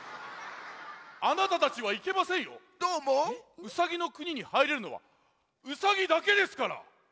ウサギのくににはいれるのはウサギだけですから。